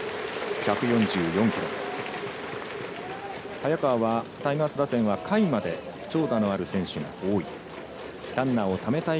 早川はタイガース打線は下位まで長打のある選手が多い。